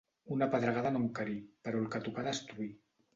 Una pedregada no encarí, però el que tocà destruí.